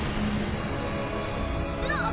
なっ！